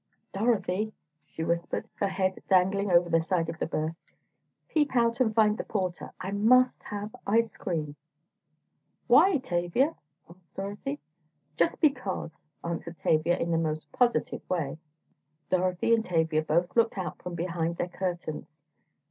"Dorothy," she whispered, her head dangling over the side of the berth, "peep out and find the porter. I must have ice cream." "Why, Tavia?" asked Dorothy. "Just because," answered Tavia in the most positive way. Dorothy and Tavia both looked out from behind their curtains.